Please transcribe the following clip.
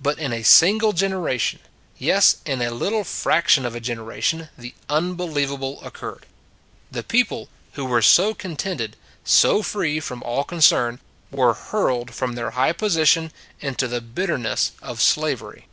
But in a single generation ; yes, in a little fraction of a generation, the unbelievable occurred. The people who were so con tented, so free from all concern, were 43 44 It s a Good Old World hurled from their high position into the bitterness of slavery.